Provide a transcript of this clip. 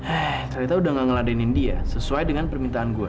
eh telita udah nggak ngeladenin dia sesuai dengan permintaan gua